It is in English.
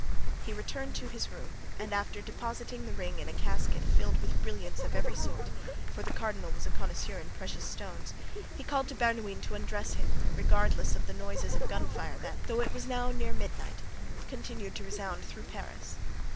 He returned to his room, and after depositing the ring in a casket filled with brilliants of every sort, for the cardinal was a connoisseur in precious stones, he called to Bernouin to undress him, regardless of the noises of gun fire that, though it was now near midnight, continued to resound through Paris.